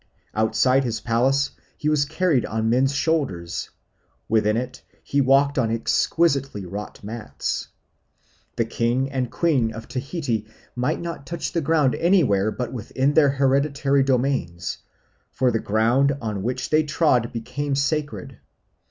Outside his palace he was carried on men's shoulders; within it he walked on exquisitely wrought mats. The king and queen of Tahiti might not touch the ground anywhere but within their hereditary domains; for the ground on which they trod became sacred.